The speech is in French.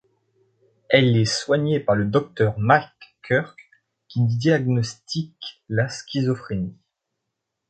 Elle est soignée par le docteur Mark Kirk qui diagnostique la schizophrénie.